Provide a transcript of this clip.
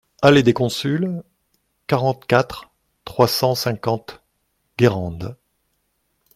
Allée des Consuls, quarante-quatre, trois cent cinquante Guérande